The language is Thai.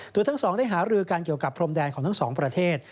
โดยทั้งสองได้หารือกันเกี่ยวกับพรมแดนของทั้งสองประเทศ